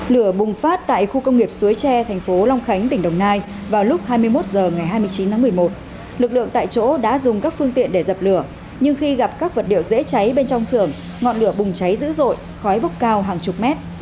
lửa bùng phát tại khu công nghiệp suối tre thành phố long khánh tỉnh đồng nai vào lúc hai mươi một h ngày hai mươi chín tháng một mươi một lực lượng tại chỗ đã dùng các phương tiện để dập lửa nhưng khi gặp các vật liệu dễ cháy bên trong sưởng ngọn lửa bùng cháy dữ dội khói bốc cao hàng chục mét